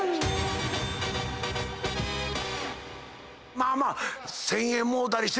まあまあ。